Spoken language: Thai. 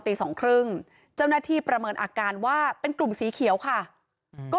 ตีสองครึ่งเจ้าหน้าที่ประเมินอาการว่าเป็นกลุ่มสีเขียวค่ะก็